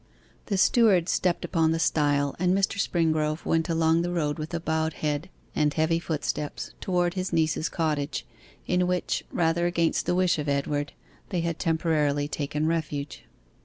The steward stepped upon the stile, and Mr. Springrove went along the road with a bowed head and heavy footsteps towards his niece's cottage, in which, rather against the wish of Edward, they had temporarily taken refuge.